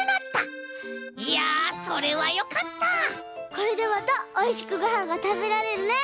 これでまたおいしくごはんがたべられるね。